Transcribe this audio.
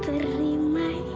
terima ya bu